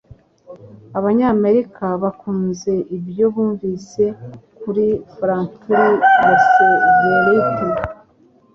Abanyamerika bakunze ibyo bumvise kuri Franklin Roosevelt